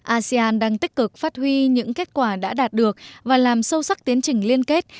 asean đang tích cực phát huy những kết quả đã đạt được và làm sâu sắc tiến trình liên kết